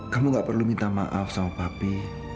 kamu gak perlu minta maaf sama papi